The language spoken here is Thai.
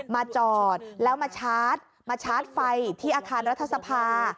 มาจอดแล้วมาชาร์จไฟที่อาคารรัฐสภา